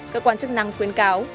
cơ quan chức năng khuyến cáo